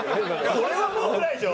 これは文句ないでしょ？